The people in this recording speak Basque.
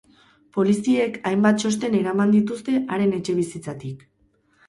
Poliziek hainbat txosten eraman dituzte haren etxebizitzatik.